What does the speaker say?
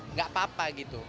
nggak apa apa gitu